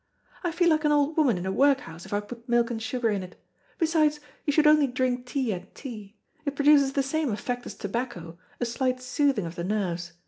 "I feel like an old woman in a workhouse if I put milk and sugar in it. Besides, you should only drink tea at tea. It produces the same effect as tobacco, a slight soothing of the nerves.